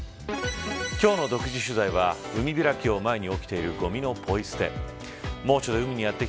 今日の独自取材は海開きを前に起きているごみのぽい捨て。